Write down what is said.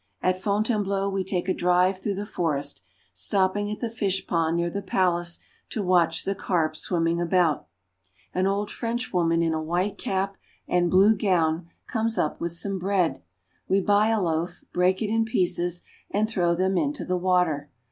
At Fontainebleau we take a drive through the forest, stopping at the fish pond near the palace to watch the carp swimming about. An old Frenchwoman in a white HOW FRANCE IS GOVERNED. 119 cap and blue gown comes up with some bread. We buy a loaf, break it in pieces, and throw them into the water.